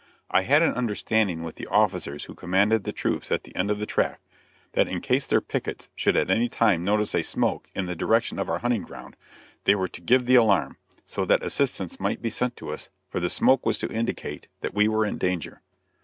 I had an understanding with the officers who commanded the troops at the end of the track, that in case their pickets should at any time notice a smoke in the direction of our hunting ground, they were to give the alarm, so that assistance might be sent to us for the smoke was to indicate that we were in danger.